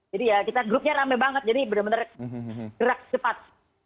jadi ya kita grupnya rame banget jadi benar benar gerak cepat